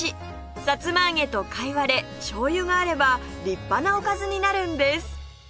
さつまあげとかいわれ醤油があれば立派なおかずになるんです